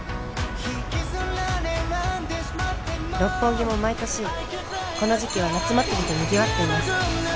「六本木も毎年この時期は夏祭りで賑わっています」